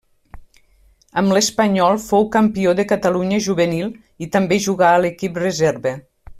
Amb l'Espanyol fou campió de Catalunya juvenil i també jugà a l'equip reserva.